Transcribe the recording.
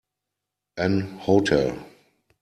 An hotel.